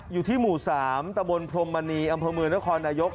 อยู่ที่หมู่๓ตะบนพรมมณีอำเภอเมืองนครนายก